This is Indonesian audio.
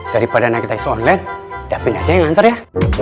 daripada naik taksi online davin aja yang nganter ya